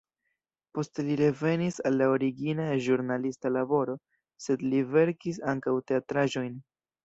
Poste li revenis al la origina ĵurnalista laboro, sed li verkis ankaŭ teatraĵojn.